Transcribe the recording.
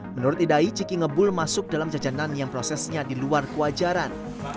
menurut idai ciki ngebul masuk dalam jajanan yang prosesnya di luar kewajaran